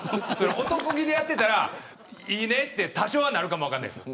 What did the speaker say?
おとこ気でやってたらいいねって多少はなるかも分かんないですよ。